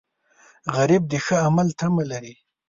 غریب د ښه عمل تمه لري